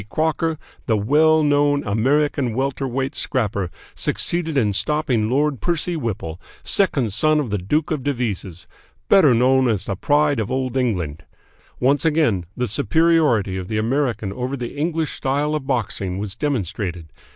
Crocker, the well known American welter weight scrapper, succeeded in stopping Lord Percy Whipple, second son of the Duke of Devizes, better known as the Pride of Old England. Once again the superiority of the American over the English style of boxing was demonstrated.